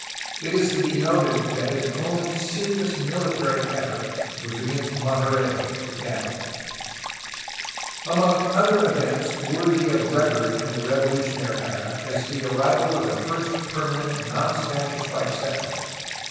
It is to be noted that his only serious mihtary effort was against Monterey, the capital. ERA OF THE WARS OF INDEPENDENCE, 1810 1822 451 Among other events worthy of record in the revolutionary era is the arrival of the first permanent non Spanish white settlers.